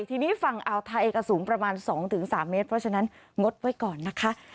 ทีนี้ฝั่งอ่าวไทยก็สูงประมาณ๒๓เมตรเพราะฉะนั้นงดไว้ก่อนนะคะ